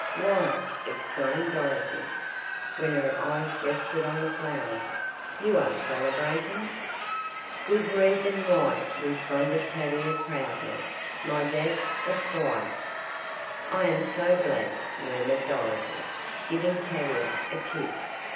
"Why!" exclaimed Dorothy, when her eyes rested on the flowers, "you are celebrating!" "Good reason why!" responded Tavia proudly, "my dad's a squire!" "I am so glad," murmured Dorothy, giving Tavia a kiss.